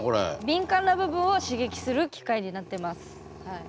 敏感な部分を刺激する機械になってます。